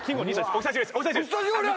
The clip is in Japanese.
お久しぶりです。